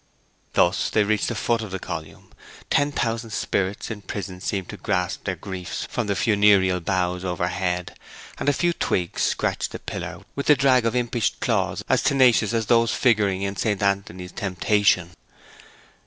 Thus they reached the foot of the column, ten thousand spirits in prison seeming to gasp their griefs from the funereal boughs overhead, and a few twigs scratching the pillar with the drag of impish claws as tenacious as those figuring in St. Anthony's temptation.